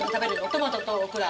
トマトとオクラ。